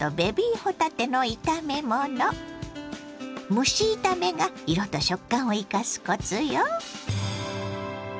蒸し炒めが色と食感を生かすコツよ。